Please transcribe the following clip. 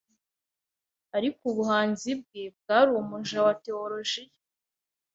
ariko ubuhanzi bwe bwari umuja wa tewolojiya